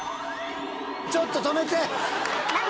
ちょっと止めて！